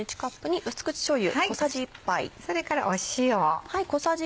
それから塩。